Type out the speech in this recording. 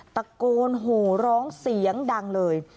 ตะโกนโหร้องเสียงดังเลย